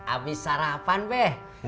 abis sarapan be